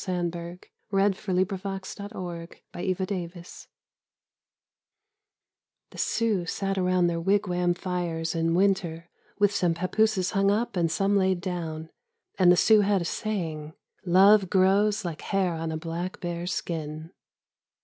Slabs of the Sunburnt West 45 CROSSING THE PACES The Sioux sat around their wigwam fires in winter with some papooses hung up and some laid down. And the Sioux had a saying, " Love grows like hair on a black bear's skin."